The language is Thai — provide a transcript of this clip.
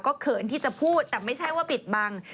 เขินที่จะพูดแต่ไม่ใช่ว่าปิดบัง